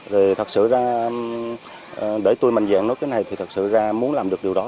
vì thật sự ra để tôi mạnh dạng nước cái này thì thật sự ra muốn làm được điều đó